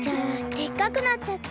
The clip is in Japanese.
でっかくなっちゃった。